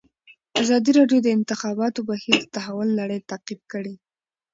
ازادي راډیو د د انتخاباتو بهیر د تحول لړۍ تعقیب کړې.